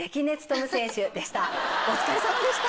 お疲れさまでした。